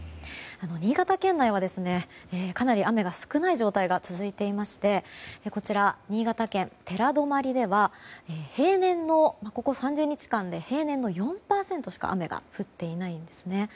新潟県内はかなり雨が少ない状態が続いていましてこちら、新潟県寺泊ではここ３０日間で平年の４％しか雨が降っていないんですね。